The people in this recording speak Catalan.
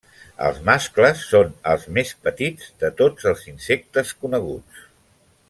Els mascles són els més petits de tots els insectes coneguts.